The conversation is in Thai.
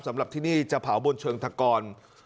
สำหรับที่นี่จะเผาบนเชิงตะกร